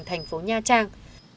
thành phố nha trang